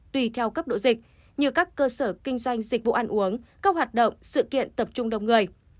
tùy theo cấp độ dịch như các cơ sở kinh doanh dịch vụ ăn uống các hoạt động sự kiện tập trung đông người